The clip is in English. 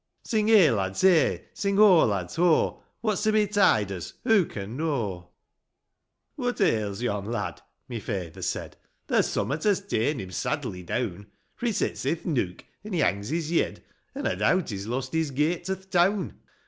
Sing heigh, lads, heigh ; sing ho, ladsj ho ; What's to betide us who can know ? "What ails yon lad?" my faither said; '■ There's summat has ta'en him sadly down ; For he sits i'th nook, an' he hangs his yed ; An' I doubt he's lost his gate to th' town.